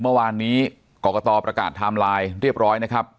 เมื่อวานนี้กรกตประกาศไทม์ไลน์เรียบร้อยนะครับ